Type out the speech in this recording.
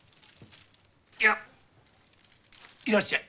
やぁいらっしゃい。